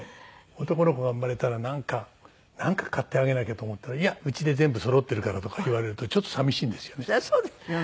男の子が生まれたらなんか買ってあげなきゃと思ったら「うちで全部そろっているから」とか言われるとちょっと寂しいんですよね。